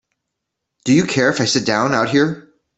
Do you care if I sit down out here?